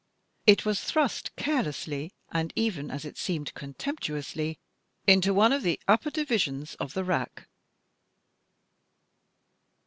It was thrust carelessly, and even, as it seemed, contemptuously, into one of the upper divisions of the rack.